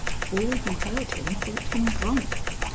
All who heard him thought him drunk.